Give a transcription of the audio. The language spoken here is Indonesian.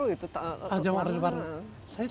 itu zaman order baru itu